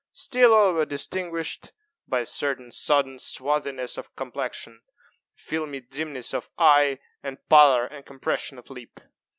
Still all were distinguished by a certain sodden swarthiness of complexion, a filmy dimness of eye, and pallor and compression of lip.